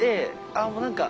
あもう何か。